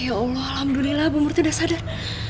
ya allah alhamdulillah bumur tidak sadar